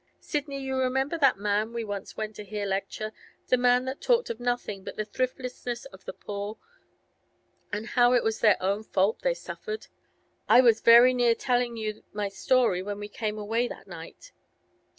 Sidney, you remember that man we once went to hear lecture, the man that talked of nothing but the thriftlessness of the poor, and how it was their own fault they suffered? I was very near telling you my story when we came away that night.